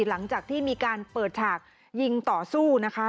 หลังจากที่มีการเปิดฉากยิงต่อสู้นะคะ